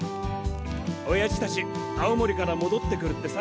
おやじたち青森からもどってくるってさ。